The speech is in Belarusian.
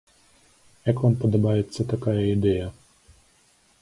Як вам падабаецца такая ідэя?